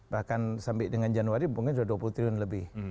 bahkan sampai dengan januari mungkin sudah dua puluh triliun lebih